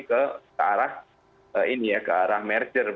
ke arah merger